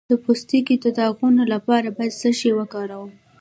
د پوستکي د داغونو لپاره باید څه شی وکاروم؟